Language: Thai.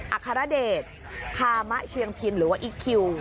อาคารรเดชภามะเชียงพินหรือว่าอีคคิว